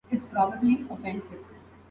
It's probably offensive.